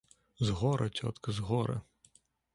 З гора, цётка, з гора.